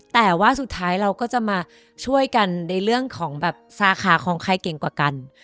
แต่ว่าสุดท้ายเราก็จะมาช่วยกันในเรื่องของแบบสาขาของใครเก่งกว่ากัน